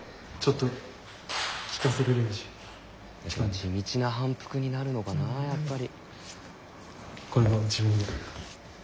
地道な反復になるのかなやっぱり。